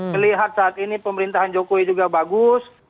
melihat saat ini pemerintahan jokowi juga bagus